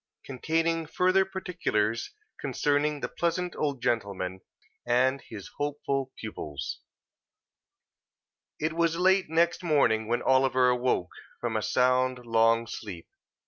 CONTAINING FURTHER PARTICULARS CONCERNING THE PLEASANT OLD GENTLEMAN, AND HIS HOPEFUL PUPILS It was late next morning when Oliver awoke, from a sound, long sleep.